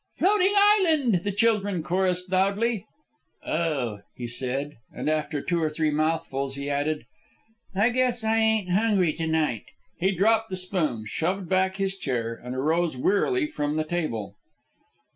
"Floating island!" the children chorussed loudly. "Oh," he said. And after two or three mouthfuls, he added, "I guess I ain't hungry to night." He dropped the spoon, shoved back his chair, and arose wearily from the table.